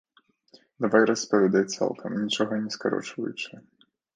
Давай распавядай цалкам, нічога не скарочваючы.